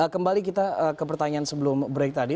kembali kita ke pertanyaan sebelum break tadi